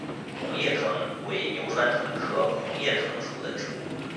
红叶藤为牛栓藤科红叶藤属的植物。